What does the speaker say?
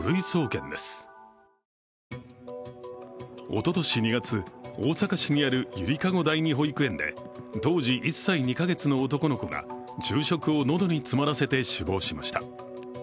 おととし２月、大阪市にあるゆりかご第二保育園で当時１歳２か月の男の子が昼食を喉に詰まらせて死亡しました。